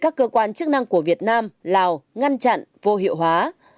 các cơ quan chức năng của việt nam lào ngăn chặn vô hiệu hóa